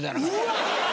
うわ！